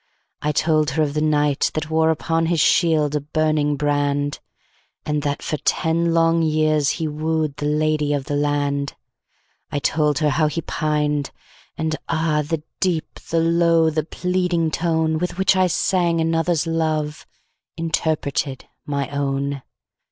I told her of the Knight that woreUpon his shield a burning brand; And that for ten long years he woo'dThe Lady of the Land.I told her how he pined: and, ah! The deep, the low, the pleading toneWith which I sang another's loveInterpreted my own.